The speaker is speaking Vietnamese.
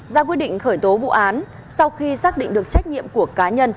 ra quyết định khởi tố vụ án sau khi xác định được trách nhiệm của cá nhân